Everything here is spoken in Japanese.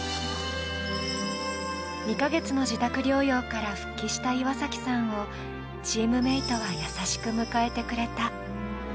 ２カ月の自宅療養から復帰した岩崎さんを、チームメイトは優しく迎えてくれた。